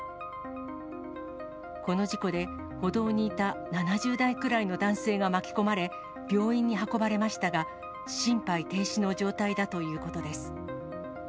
この事故で、歩道にいた７０代くらいの男性が巻き込まれ、病院に運ばれましたが、心肺停止の状態だということです。